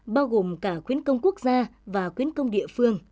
bao gồm cả khuyến công quốc gia và khuyến công địa phương